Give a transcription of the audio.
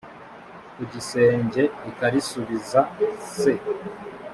ku gisenge ikarisubiza c